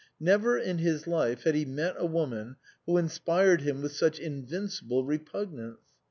Never in his life had he met a woman who inspired him with such invin cible repugnance.